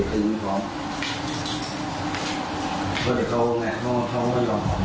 โอคุณพนั้นก็พี่ลองกินใบ